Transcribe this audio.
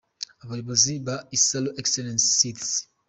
Abayobozi ba Isaro Excellent Seeds :.